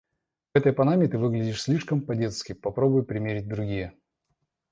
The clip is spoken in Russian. В этой панаме ты выглядишь слишком по-детски. Попробуй примерить другие.